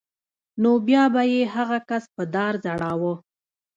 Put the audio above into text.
نو بیا به یې هغه کس په دار ځړاوه